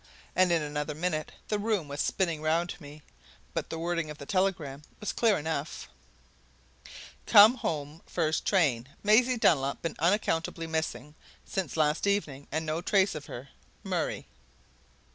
And in another minute the room was spinning round me; but the wording of the telegram was clear enough: "Come home first train Maisie Dunlop been unaccountably missing since last evening and no trace of her. Murray."